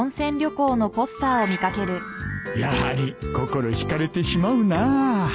やはり心引かれてしまうな